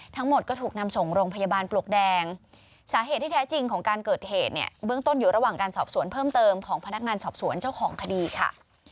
ทั้งหมดก็ถูกนำส่งโรงพยาบาลปลวกแดงสาเหตุที่แท้จริงของการเกิดเหตุเนี่ยเบื้องต้นอยู่ระหว่างการสอบสวนเพิ่มเติมของพนักงานสอบสวนเจ้าของคดีค่ะ